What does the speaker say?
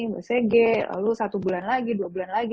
bcg lalu satu bulan lagi dua bulan lagi